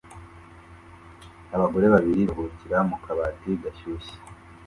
Abagore babiri baruhukira mu kabati gashyushye